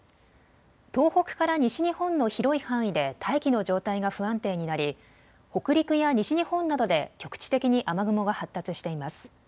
東北から西日本の広い範囲で大気の状態が不安定になり北陸や西日本などで局地的に雨雲が発達しています。